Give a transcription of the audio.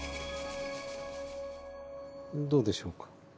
どうでしょうか。